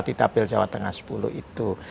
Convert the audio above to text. di dapil jawa tengah sepuluh itu